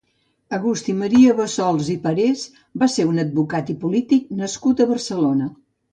Agustí Maria Bassols i Parés va ser un advocat i polític nascut a Barcelona.